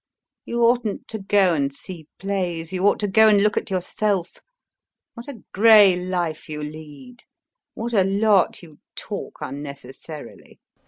You oughtn't to go and see plays, you ought to go and look at yourself. What a grey life you lead, what a lot you talk unnecessarily.